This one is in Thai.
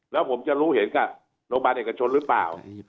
แล้วผมจะรู้เห็นกับโรงพยาบาลเอกชนหรือเปล่า